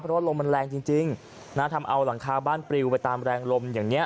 เพราะว่าลมมันแรงจริงนะทำเอาหลังคาบ้านปลิวไปตามแรงลมอย่างนี้